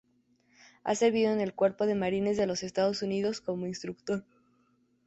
Ha servido en el Cuerpo de Marines de los Estados Unidos como instructor.